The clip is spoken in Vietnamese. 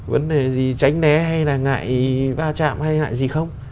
vấn đề gì tránh né hay là ngại va chạm hay ngại gì không